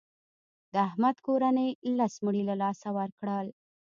د احمد کورنۍ لس مړي له لاسه ورکړل.